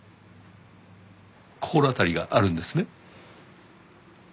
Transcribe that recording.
心当たりがあるんですね？